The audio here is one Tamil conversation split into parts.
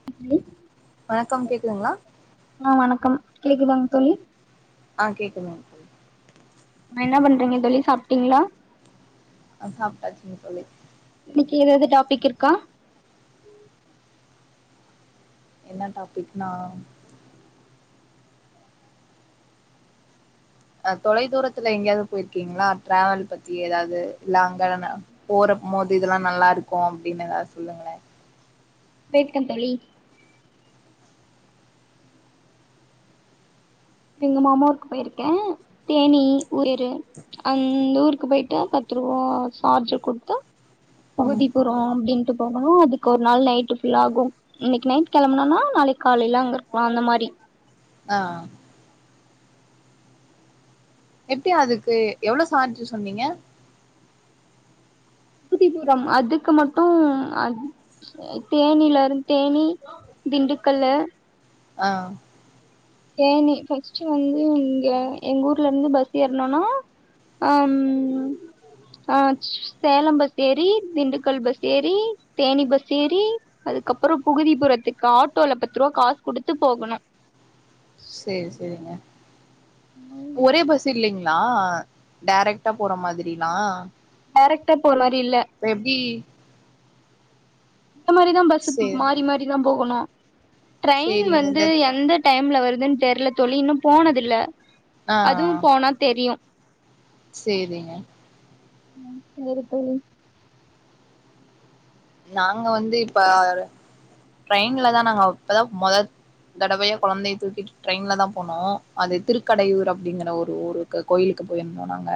[inaudible] வணக்கம் கேக்குதுங்ளா ஆ வணக்கம் கேக்குதாங் தோழி ஆ கேக்குதுங் ஓகே ஆ என்ன பண்றீங்க தோழி சாப்ட்டீங்ளா ஆ சாப்ட்டாச்சீங்க தோழி இன்னைக்கு எதாவ்து டாபிக் இருக்கா என்ன டாப்பிக்னா அ தொலை தூரத்துல எங்கேயாவ்து போயிருக்கீங்ளா டிராவல் பத்தி எதாவ்து லாங்கா எதன்னா போற மோது இதெல்லா நல்லா இருக்கும் அப்படின்னு எதாவ்து சொல்லுங்ளே வெக்ட்டம் தோழி எங்க மாமா ஊருக்கு போயிருக்கே தேனீ ஊரேரு அந்த ஊருக்கு போயிட்டு பத் த்துரூவா சார்ஜ்ஜ குடுத்து அந்த டிப்போ ம் அப்டின்ட்டு போவ்மா அதுக்கு ஒரு நாள் நைட்டு ஃபுல்லா ஆகும் இன்னைக்கு நைட் கெளம்பனுனா நாளைக் காலையில அங்கருப்போ அந்த மாரி ஆ எப்டி அதுக்கு எவ்ளோ சார்ஜ்ஜி சொன்னீங்க குட்டி தூரம் அதுக்கு மட்டும் அதுக் தேனீலருந்து தேனீ திண்டுக்கல்லு ஆ தேனீ ஃபர்ஸ்ட்டு வந்து இங்க எங்க ஊர்லந்து பஸ் ஏற்னனா அம் ஆ சேலம் பஸ் ஏறி திண்டுக்கல் பஸ் ஏறி தேனீ பஸ் ஏறி அதுக்கப்புறோ புகுதிபுறத்துக்கு ஆட்டோல பத்ரூவா காசு குடுத்து போகணும் சேர் செரிங்க ஒரே பஸ் இல்லைங் நா டேரக்டா போற மாதிரினா டேரக்ட்டா போ மாரி இல்ல எப்டி இந்த மாரிதா பஸ்ஸு சேரி மாரி மாரி தா போகணு ட்ரையின் சேரிங்க வந்து இந்த எந்த டைம்ல வருதுன் தெர்ல தோழி இன்னும் போனது இல்ல ஆ அதுவு போனா தெரியு சேரிங்க ம் சேரி தோழி நாங்க வந்து இப்ப ட்ரெயின்லதா நாங்க இப்பதா மொத தடவயு கொழந்தய தூக்கிட்டு ட்ரெயின்லதா போனோ அது திருக்கடையூர் அப்டிங்கற ஒரு ஊரு கு கோயிலுக்கு போயிருந்தோ நாங்க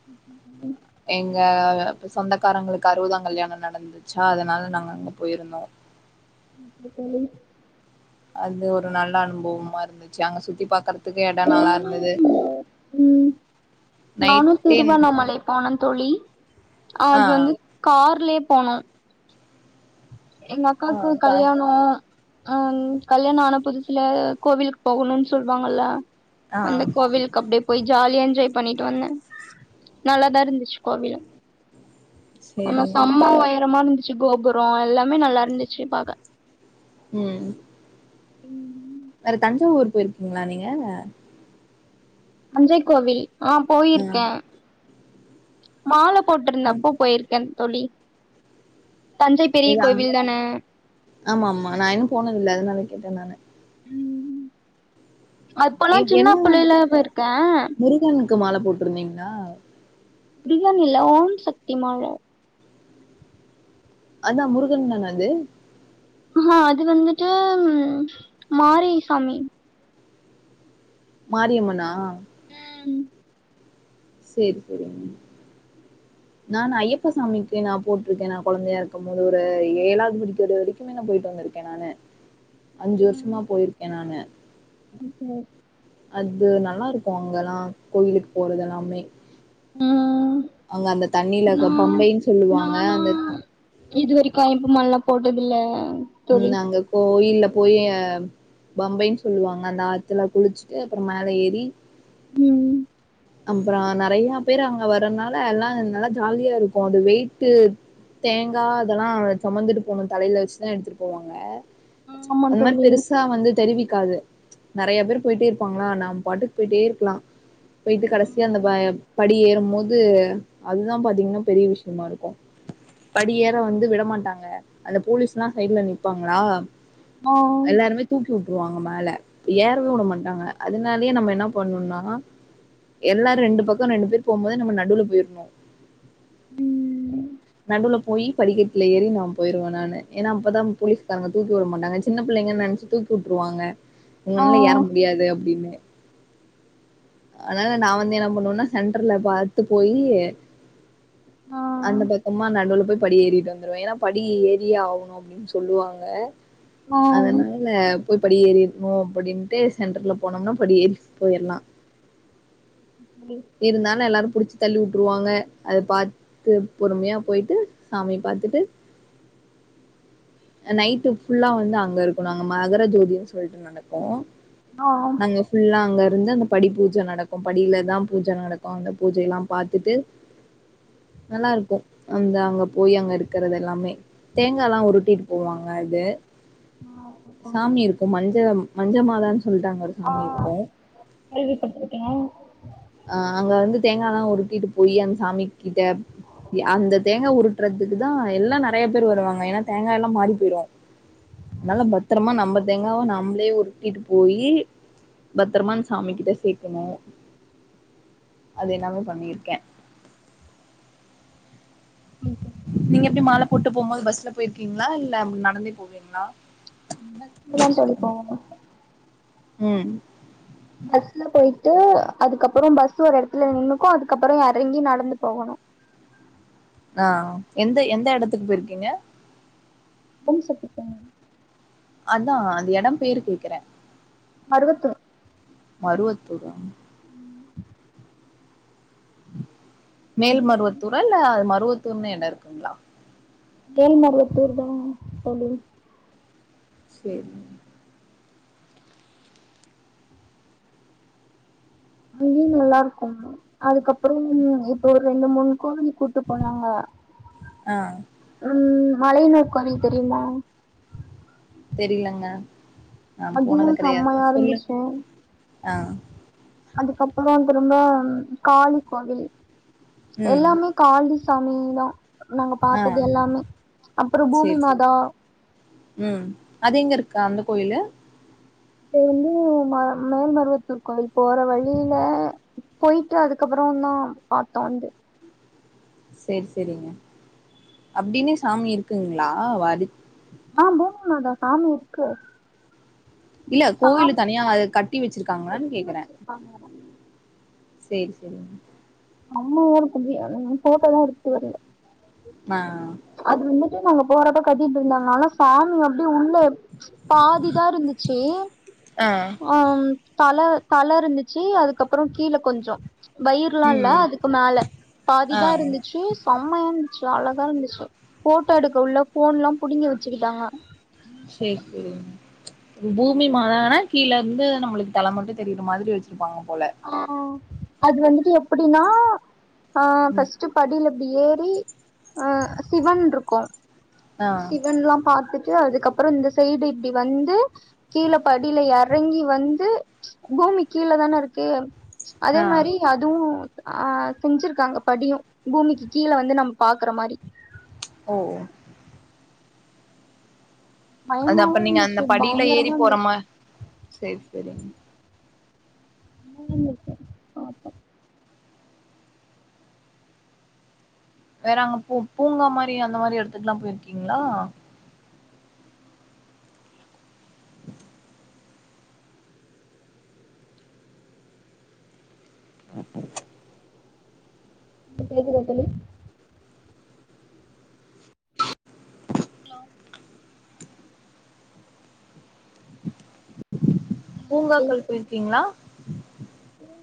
ம் எங்க அப்ப சொந்தக்காரங்களுக்கு அறுவதாங் கல்யாணோ நடந்தது சா அதனால நாங்க அங்க போய்ருந்தோ ப்டி தோழி அது ஒரு நல்ல அனுபவமா இருந்துச்சு அங்க சுத்தி பாக்குறக் துக்கு ஏன்டா நல்லா நானு இருந்தது ம் நானு நைட்டின் திருவண்ணாமலை போன தோழி ஆ அது வந்து கார்லயே போனோ எங்க ஆ அக்காக்கு சா கல்யாணோ அ ம் கல்யாண ஆனா புதுசுல கோவிலுக்கு போகணுன் சொல்லுவாங்கல்ல ஆ அந்த கோவிலுக் கு அப்டியே போய் ஜாலியா என்ஜாய் பண்ணிட்டு வந்த நல்லாதா இருந்துச்சு கோவிலு ஆனா சேரிங்க செம உயரமா இருந்துச்சு கோபுரோ எல்லாமே நல்லா இருந்துச்சு பாக்க ம் வேற தஞ்சாவூர் போய்ருக்கீங்களா நீங்க தஞ்சை கோவில் ஆ போயிருக்கே மால ஆ போட்ருந்தப்போ போய்ருக்கே தோழி தஞ்சை பெரிய இதா கோவில்தான ஆமா ஆமா நா இன்னு போனதில்ல அதனால கேட்ட நானு ம் அப்பல்லா எ சின்ன புள்ளைல போய்ருக்க னுக்கு மால போட்ருந்தீங்ளா முருகன் இல்ல ஓம் சக்தி மால அத்தா முருகன்தான அது ஆஹா அது வந்துட்டு மாரிசாமி மாரியம்மனா ம் சேரி சேரிங்க நானு ஐயப்பா சாமிக்கு நா போட்ருக்க நா கொழந்தயா இருக்கும்போது ஒரு ஏழாவது படிக்கிற வரிக் [unintelligible] போய்ட்டு வந்திருக்கே நானு அஞ்சு வர்ஷமா போய்ருக்க நானு ஓக்கே அது நல்லா இருக்கு அங்கல்லா கோயிலுக்கு போறது எல்லாமே ஆ அங்க அந்த தண்ணில பம்பைன் சொல்லுவாங்க அந்த இதுவரிக்கு ஐயப்ப மாலலா போட்டதில்ல ம் தோழி நாங்க கோயில்லா போயி பம்பைன் சொல்லுவாங்க அந்த ஆத்துல குளிச்சுட்டு அப்புறோ மேல ஏறி ம் அப்புறோ நறைய பேர் அங்க வர்றனால எல்லா நல்லா ஜாலியா இருக்கு அது வெய்ட்டு தேங்கா அதெல்லா சுமந்துட்டு போணு தலைல வெச்சுதா எடுத்துட்டு போவாங்க ஆமா அந்த மாரி தோழி பெருசா வந்து தெரிவிக்காது நறைய பேர் போய்ட்டே இருப்பாங்களா நாம் பாட்டுக்கு போய்ட்டே இருக்கலா போயிட்டு கடசியா அந்த ப படி ஏரும்மோது து அதுதான் பாத்தீங்கன்னா பெரிய விஷயமா இருக்கும் படி ஏற வந்து விடமாட்டாங்க அந்த போலீஸ்ல்லா சைட்ல நிப்பாங்களா ஆ எல்லாருமே தூக்கி உட்ருவாங்க மேல ஏறவே உட மாட்டாங்க அதனாலே நம்ம என்ன பண்ணுன்னா எல்லாரு ரெண்டு பக்கம் ரெண்டு பேர் போம்போதே நம்ம நடுவுல போயிர்ணு ம் நடுல போய் படிக்கெட்ல ஏறி நா போயிருவே நானு ஏன்னா அப்பதா போலீஸ்காரங்க தூக்கி விடமாட்டாங்க சின்ன பிள்ளைங்கன் நெனச்சிட் தூக்கி உட்ருவாங்க ஆ உங்கனால ஏற முடியாது அப்புடின்னு அதனால நா வந்து என்ன பண்ணுவன்னா சென்டர்ல பாத்து போயி ஆ அந்த பக் கம்மா நடுவுல போய் படி ஏறிட்டு வந்துருவே ஏன்னா படி ஏறியே ஆவணு அப்புடின்னு சொல்லுவாங்க ஆ அதனால போய் படி ஏறிட்ணு அப்புடின்ட்டு சென்டர்ல போனோம்னா படி ஏறி போயிர்லா [unintelligible] இருந்தாலு எல்லாரு புடிச்சு தள்ளி உட்ருவாங்க அத பாத் து பொறுமையா போயிட்டு சாமிய பாத்துட்டு அ நைட்டு ஃபுல்லா வந்து அங்க இருக்கணு அங்க மகர ஜோதினு சொல்ட்டு நடக்கு ஆ நாங்க ஃபுல்லா அங்கருந்து அந்த படி பூஜை நடக்கு படியில தா பூஜை நடக்கு அந்த பூஜையெல்லா பாத்துட்டு நல்லா இருக்கு அந்த அங்க போய் அங்க இருக்கிறது எல்லாமே தேங்கால்லா உருட்டிட்டு போவாங்க அது சாமி இருக்கும் மஞ்ச மஞ்ச மாதான் சொல்ட்டு அங்க ஒரு சாமி இருக்கும் கேள்வி பட்ருக்கே அ அங்க வந்து தேங்கால்லா உருட்டிட்டு போய் அந்த சாமி கிட்ட இ அந்த தேங்கா உருட் ட்றதுக்கு தா எல்லா நறைய பேரு வருவாங்க ஏன்னா தேங்காய் எல்லா மாறி போயிரு அதனால பத்திரமா நம்ப தேங்காவ நம்புளே உருட்டிட்டு போய் பத்துரமா அந் சாமி கிட்ட சேக்குணு அது எல்லாமே பண்ணிருக்கே [unintelligible] நீங்க எப்டி மால போட்டு போகும்போது பஸ்ல போயிருக்கீங்களா இல்ல ம் நடந்தே போவீங்களா [unintelligible] ம் பஸ்ல போயிட்டு அதுக்கப்புறோ பஸ் ஒரு இடத்துல நின்னுக்கு அதுக்கப்புற எறங்கி நடந்து போகணு ஆ எந்த எந்த எடத்துக்கு போயிருக்கீங்க ஓம் சக்தி கோவில் அதா அந்த எடம் பேரு கேக்குறே மருவத்துர் மருவத்தூரா ம் அதுல மேல்மருவத்தூரா இல்ல அது மருவத்தூர்னே இடோ இருக்குங்களா மேல் மருவத்தூர்தா தோழி சேரி அங்கையு நல்லா இருக்கும்மா அதுக்கப்புறம் இப்போ ஒரு ரெண்டு மூணு கோவிலுக்கு கூட்டு போனாங்க ஆ ம் மலையனுர் கோவில் தெரியுமா தெரிலங்க நா அதுவு போனது கெடையாது செம்மையா சொல்லு இருந்துச்சு ஆ அதுக்கப்புறோ ரொம்ப காளி கோவில் ம் எல்லாமே காளிசாமிதா நாங்க ஆ பாத்தது எல்லாமே அப்றோ சேரி பூமிமாதா ம் அது எங்க இருக்கு அந்த கோயிலு அது வந்து ம மேல்மருவத்தூர் கோவில் போற வழியில போய்ட்டு அதுக்கப்புறோநதா பாத்தோ வந்து சேரி சேரிங்க அப்டினே சாமி இருக்குங்ளா ஓ அதுக் ஆ பூமிமாதா சாமி இருக்கு இல்ல சாமி கோயிலு தனியா அத கட்டி வச்சிருக்காங்ளான் கட்டி கேக்குற வச்சிருக்காங்க சேரி சேரிங்க அம்மா ஊருக்கு போய் அ ஃபோட்டோலா எடுத்துட்டு வந்த ஆ அது வந்துட்டு நாங்க போறப்ப கட்டிட்ருந்தாங்க ஆனா சாமி அப்டி உள்ள எடுத் பாதிதா இருந்துச்சு ஆ ம் தல தல இருந்துச்சு அதுக்கப்புறோ கீழ கொஞ்சோ வயிருலா இல் ல ம் அதுக்கு மேல ஆ பாதிதா இருந்துச்சு சம்மையா இருந்துச்சு அழகா இருந்துச்சு ஃபோட்டோ எடுக்க உள்ள ஃபோன்லா புடுங்கி வச்சுக்கிட்டாங்க சேர் சேரிங்க பூமிமாதானா கீழ இருந்து நம்மளுக்கு தல மட்டு தெரிற மாதிரி வச்சிருப்பாங்க போல ஆ அது வந்துட்டு எப்புடினா ஆ ம் ஃபஸ்ட்டு படில இப்டி ஏறி அ சிவன்ட்ருக்கு ஆ சிவன்லா பாத்துட்டு அதுக்கப்புறோ இந்த சைடு இப்டி வந்து கீழ படில எறங்கி வந்து பூமி கீழ தான இருக்கு அதே ஆ மாரி அதுவு அ செஞ்சிருக்காங்க படியு பூமிக்கு கீழ வந்து நம் பாக்குற மாரி ஓ அது பயமாவு அப்ப நீங்க அந்த இருந்துச்சு படில ஏறி பயங்கரமா இருந்துச்சு போறமா சேரி செரி பூமியிலிர்ந்து பாப்போ வேற அங்க பூ பூங்கா மாரி அந்த மாரி எடுத்துக்குலா போய்ர்க்கீங்ளா இப்ப கேக்குதா தோழி ஹலோ பூங்காக்கள் போய்ர்க்கீங்ளா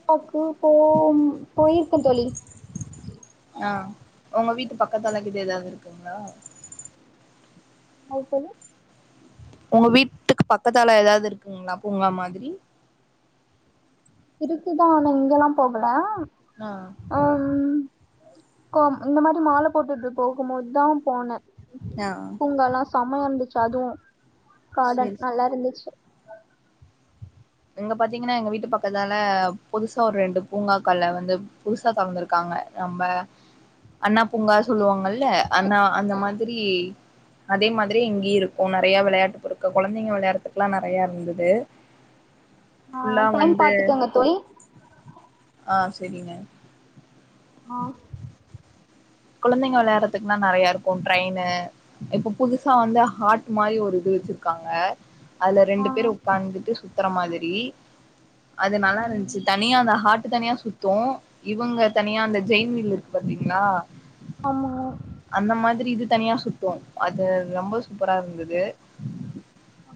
காக்கு போம் போயிருக்கோந் தோழி ஆ ஒங்க வீட்டு பக்கத்தலங்கிது எதாவ்து இருக்குங்ளா என்னது தோழி ஒங்க வீட்டுக்கு பக்கத்தால எதாவ்து இருக்குங்ளா பூங்கா மாதிரி இருக்குதா ஆனா இங்களா போகல ஆ அம் கோம் இந்த மாரி மால போட்டுட்டு போகுமோதுதா போன ஆ பூங்காலா சமையா இருந்துச்சு அதுவு கார்டன் சேரி சேரி. நல்லா இருந்துச்சு இங்க பாத்தீங்கனா எங்க வீட்டு பக்கத்தால புதுசா ஒரு ரெண்டு பூங்காக்கள்ல வந்து புதுசா தொறந்திருக்காங்க நம்ம அண்ணா பூங்கா சொல்லுவாங்கள்ல அண்ணா அந்த மா திரி அதே மாதிரி இங்கெயூ இருக்கோ நெறய வெளையாட் பொருக்க கொழந்தைங்க விளையாட்ரதுக்கலா நெறய இருந்தது ஆ ஃபுல்லா டைம் வந்து பாத்துக்கோங்க தோழி ஆ சரிங்க ஆ குழந்தைங்க விளையாட்றதுக்குன்னா நெறயா இருக்கூ ட்ரெயின்னு இப்ப புதுசா வந்து ஹார்ட் மாரி ஒரு இது வச்சிருக்காங்க அதுல ஆ ரெண்டு பேர் உக்கார்ந்துட்டு சுத்துற மாதிரி அது நல்லா இருந்துச்சு தனியா அது ஹார்ட்டு தனியா சுத் தோ இவங்க தனியா அந்த ஜெயின்ட் வீல் இருக் பாத்தீங்களா ஆமா அந்த மாதிரி இது தனியா சுத்தூ அது ரொம்ப சூப்பரா இருந்தது அ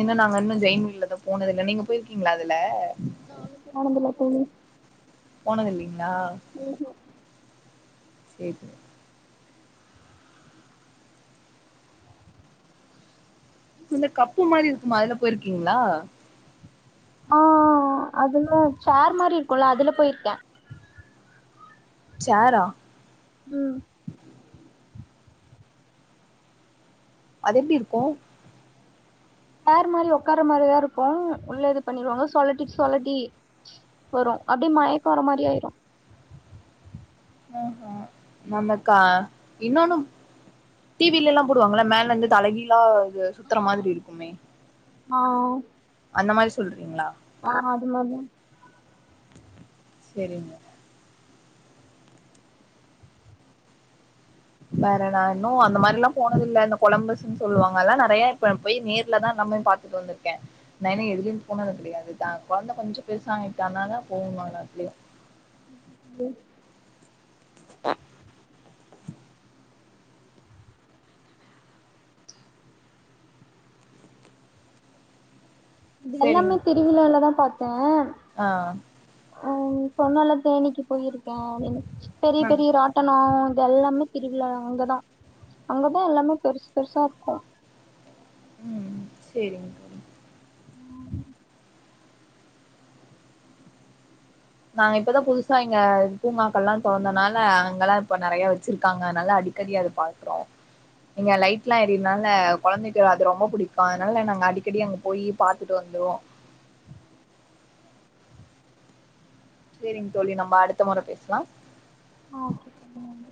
இன்னும் நாங்க இன்னூம் ஜெயின்ட் வீல்ல போனது இல்ல நீங்க போயிருக்கீங்களா அதுல நானூ போனது இல்ல தோழி போனத்தில்லிங்களா ம் ஹும் சேர் இந்த கப்பு மாரி இருக்குமா அதுல போயிருக்கீங்களா ஆ அதுல்லாம் சேர் மாரி இருக்கோம்ல்ல அதுல போயிருக்கே சேரா ம் அது எப்டி இருக்கோ சேர் மாரி உக்கார மாரிதா இருக்கோ உள்ள இது பண்ணிருவாங்க சொலட்டி சொலட்டி வரோ அப்டியே மயக்கோ வர மாரி ஆயிரூ ம் ஹுங் நம்ம கா இன்னொன்னூ டி வில்லலா போடுவாங்களே மேலர்ந்து தலகீழ அது சுத்தற மாதிரி இருக்குமே ஆ அந்தமாரி சொல்றீங்களா ஆம் மாம் சரிங்க வேறணா இன்னோ அந்த மாதிரில்லா போனதில்ல இந்த கொலம்பஸ்ன்னு சொல்லுவாங்க அதலா நெறய இப்ப பேய் நேர்ல தா நம்மெ பாத் துட்டு வந்திருக்கே நா இன்னூ எதுலயூ போனது கிடையாது தா குழந்தை கொஞ்சொ பெருஸ்சாயிட்டாங்னா நாங்க போவ் வாங்க ட்டு இது சேரிங்க எல்லாமே திருவிலாவ்தா பார்த்தே ஆ ம் சொன்னேன்ல தேனிக்கு போயிருக்கே பெரிய பெரிய ராட் டணோ இது எல்லாமே திருவிழா அங்கதா அங்கதா எல்லாமே பெருஸ் பெருஸா இருக்கூ ம் சேரி நா இப்பதா புதுசா இங்க பூங்காக்கள்ல்லா தொர்ந்தனால அங்கெல்லா இப்ப நெறய வச்சிருக்காங்க அத்னால அடிக்கடி அத பாக் குறோ இங்க லைட்லா ஏறியுரதுனால குழந்தைக்கு அது ரொம்ப புடிக்கூ அதனால நம்ம அடிக்கடி அங்க போய் பார்த்துட்டு வந்துருவோ சரிங்க தோழி நம்ம அடுத்த முறை பேசலா ஆ ம்